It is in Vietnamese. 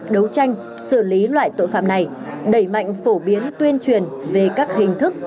đấu tranh xử lý loại tội phạm này đẩy mạnh phổ biến tuyên truyền về các hình thức